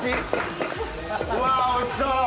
うわおいしそう！